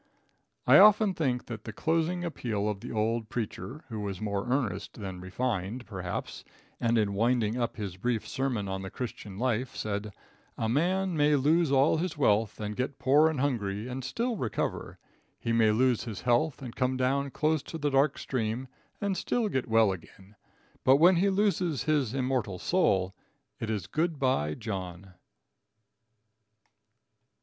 I often think of the closing appeal of the old preacher, who was more earnest than refined, perhaps, and in winding up his brief sermon on the Christian life, said: "A man may lose all his wealth and get poor and hungry and still recover, he may lose his health and come down close to the dark stream and still git well again, but, when he loses his immortal soul it is good bye John."